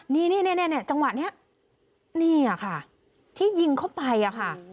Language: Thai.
นี่จังหวะนี้นี่ค่ะที่ยิงเข้าไปอะค่ะ